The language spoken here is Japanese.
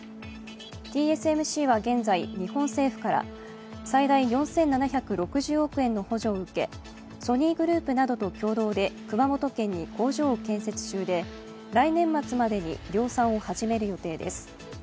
ＴＳＭＣは現在、日本政府から最大４７６０億円の補助を受けソニーグループなどと共同で熊本県に工場を建設中で来年末までに量産を始める予定です。